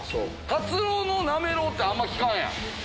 カツオのなめろうってあんま聞かんやん。